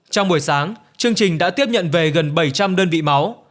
trong buổi sáng chương trình đã tiếp nhận về gần bảy trăm linh đơn vị máu